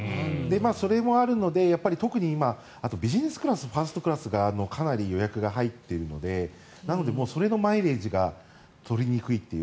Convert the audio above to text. それもあるので特に今、ビジネスクラスファーストクラスがかなり予約が入っているのでそれのマイレージが取りにくいという。